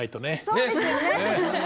そうですよね。